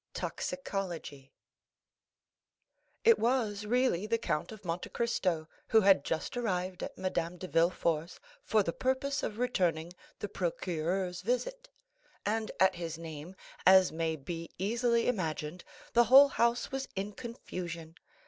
Toxicology It was really the Count of Monte Cristo who had just arrived at Madame de Villefort's for the purpose of returning the procureur's visit, and at his name, as may be easily imagined, the whole house was in confusion.